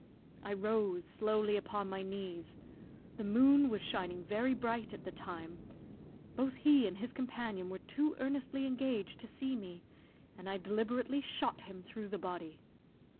I rose slowly upon my knees; the moon was shining very bright at the time, both he and his companion were too earnestly engaged to see me, and I deliberately shot him through the body.